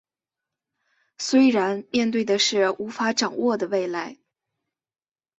虽然面对的是无法掌握的未来